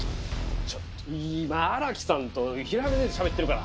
ちょっと今荒木さんと平山先生しゃべってるから！